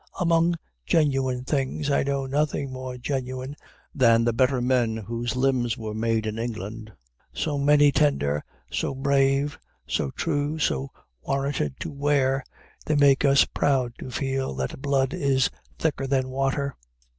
Among genuine things, I know nothing more genuine than the better men whose limbs were made in England. So manly tender, so brave, so true, so warranted to wear, they make us proud to feel that blood is thicker than water.